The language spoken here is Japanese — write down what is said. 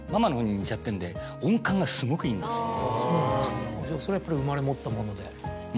そうなんですかそれはやっぱり生まれ持ったもので。